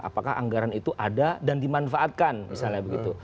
apakah anggaran itu ada dan dimanfaatkan misalnya begitu